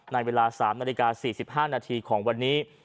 ในเวลา๓นาฬิกา๔๕นาทีของวันนี้